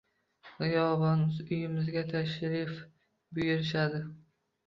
G‘oyibona uyimizga tashrif buyurishadi.